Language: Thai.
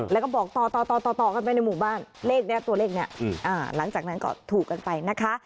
แล้วก็บอกต่อต่อกันไปในหมู่บ้านเลขนี้ตัวเลขนี้หลังจากนั้นก็ถูกกันไปนะคะ